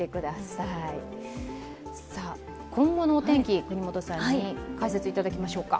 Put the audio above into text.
今後のお天気、國本さんに解説いただきましょうか。